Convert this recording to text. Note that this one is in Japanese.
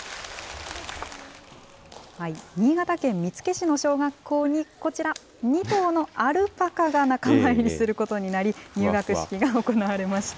新潟県見附市の小学校にこちら、２頭のアルパカが仲間入りすることになり、入学式が行われました。